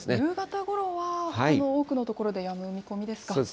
夕方ごろはこの多くの所でやむ見込みですか。